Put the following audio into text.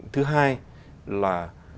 thứ hai là